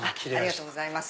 ありがとうございます。